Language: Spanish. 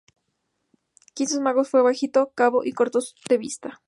Quincy Magoo fue bajito, calvo y corto de vista.